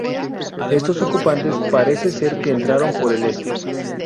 Estos ocupantes parece ser que entraron por el este.